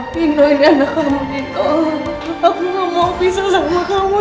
aku gak mau pisah sama kamu